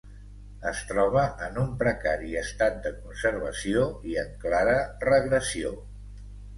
Es troba en un precari estat de conservació i en clara regressió.